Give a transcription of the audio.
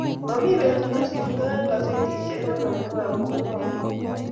Mami petut nesirtoi eng kasetisiek nemwoitoe akopo boriet